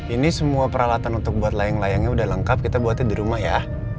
ini semua peralatan untuk buat layang layangnya udah lengkap kita buatnya di rumah ya